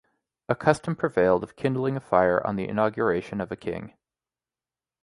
A custom prevailed of kindling a fire on the inauguration of a king.